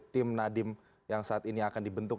tim nadiem yang saat ini akan dibentuk